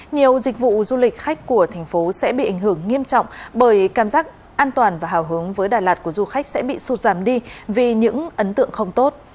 nhiều dịch vụ du lịch khách của thành phố sẽ bị ảnh hưởng nghiêm trọng bởi cảm giác an toàn và hào hứng với đà lạt của du khách sẽ bị sụt giảm đi vì những ấn tượng không tốt